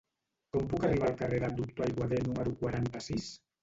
Com puc arribar al carrer del Doctor Aiguader número quaranta-sis?